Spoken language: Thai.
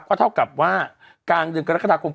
ก็เท่ากับว่ากลางเดือนกรกฎาคม